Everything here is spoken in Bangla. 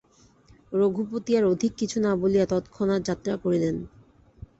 রঘুপতি আর অধিক কিছু না বলিয়া তৎক্ষণাৎ যাত্রা করিলেন।